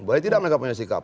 boleh tidak mereka punya sikap